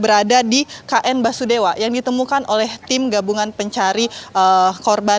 berada di kn basudewa yang ditemukan oleh tim gabungan pencari korban